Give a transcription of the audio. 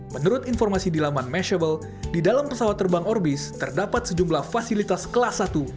menurut informasi dilaman mashable di dalam pesawat terbang orbis terdapat sejumlah fasilitas kelas satu